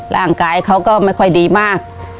ร่างกายเขาก็ไม่ค่อยดีมาก